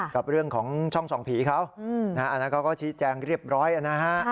กับเรื่องของช่องส่องผีเขาอันนั้นเขาก็ชี้แจงเรียบร้อยนะฮะ